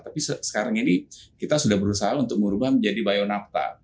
tapi sekarang ini kita sudah berusaha untuk mengubah menjadi bio naphtha